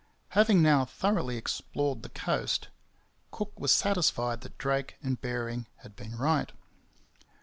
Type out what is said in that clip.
Having now thoroughly explored the coast, Cook was satisfied that Drake and Bering had been right.